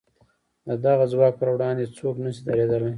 د دغه ځواک پر وړاندې څوک نه شي درېدلای.